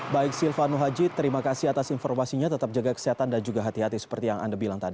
baik silvano haji terima kasih atas informasinya tetap jaga kesehatan dan juga hati hati seperti yang anda bilang tadi